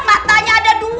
matanya ada dua